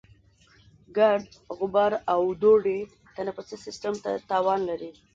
ګرد، غبار او دوړې تنفسي سیستم ته تاوان لري.